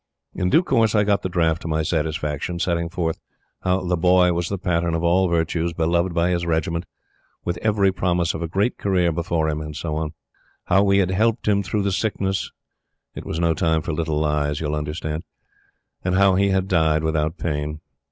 In due course I got the draft to my satisfaction, setting forth how The Boy was the pattern of all virtues, beloved by his regiment, with every promise of a great career before him, and so on; how we had helped him through the sickness it was no time for little lies, you will understand and how he had died without pain.